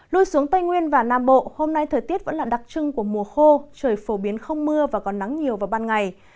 lui xuống tây nguyên và nam bộ hôm nay thời tiết vẫn là đặc trưng của mùa khô trời phổ biến không mưa và có nắng nhiều vào ban ngày